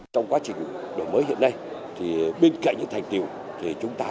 trong quá trình đổi mới hiện nay bên cạnh những thành tiêu